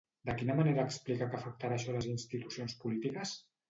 De quina manera explica que afectarà això a les institucions polítiques?